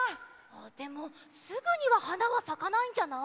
でもすぐにははなはさかないんじゃない？